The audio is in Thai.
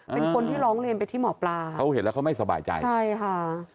เป็นคนที่ร้องเรียนไปที่หมอปลาเขาเห็นแล้วเขาไม่สบายใจใช่ค่ะ